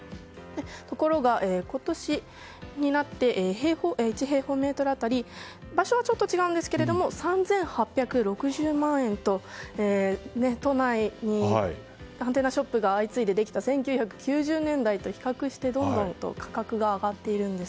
ところが今年になって１平方メートル当たり場所はちょっと違うんですが３８６０万円と都内にアンテナショップが相次いでできた１９９０年代と比較してどんどん価格が上がっているんです。